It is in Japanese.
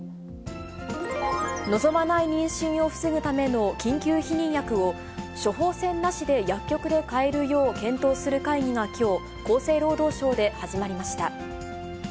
望まない妊娠を防ぐための緊急避妊薬を処方箋なしで薬局で買えるよう検討する会議がきょう、厚生労働省で始まりました。